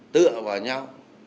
tựa vào nhau